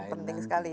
ya penting sekali